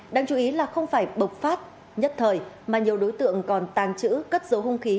đáng chú ý là không phải bộc phát nhất thời mà nhiều đối tượng còn tàng trữ cất dấu hung khí